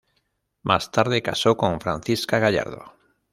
Más tarde casó con Francisca Gallardo.